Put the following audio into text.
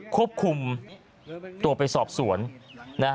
ควบคุมตัวไปสอบสวน